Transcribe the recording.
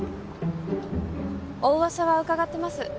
お噂は伺ってます